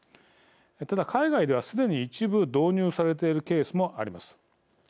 ただ、海外ではすでに一部導入されているケースもあります。